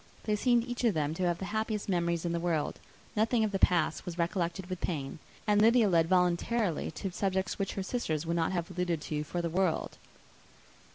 They seemed each of them to have the happiest memories in the world. Nothing of the past was recollected with pain; and Lydia led voluntarily to subjects which her sisters would not have alluded to for the world.